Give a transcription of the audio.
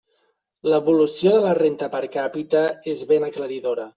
L'evolució de la renda per càpita és ben aclaridora.